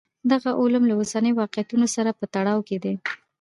دغه علوم له اوسنیو واقعیتونو سره په تړاو کې دي.